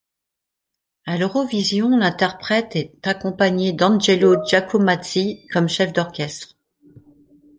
À l'Eurovision, l'interprète est accompagné d'Angelo Giacomazzi comme chef d'orchestre.